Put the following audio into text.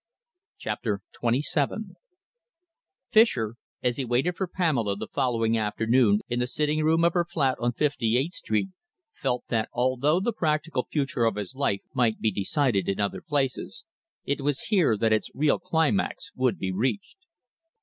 CHAPTER XXVII Fischer, as he waited for Pamela the following afternoon in the sitting room of her flat on Fifty eighth Street, felt that although the practical future of his life might be decided in other places, it was here that its real climax would be reached.